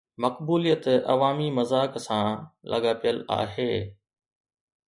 مقبوليت عوامي مذاق سان لاڳاپيل آهي.